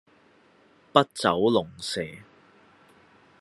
筆走龍蛇